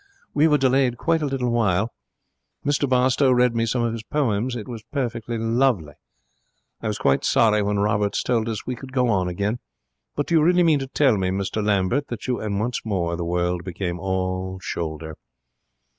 We were delayed quite a little while. Mr Barstowe read me some of his poems. It was perfectly lovely. I was quite sorry when Roberts told us we could go on again. But do you really mean to tell me, Mr Lambert, that you ' And once more the world became all shoulder.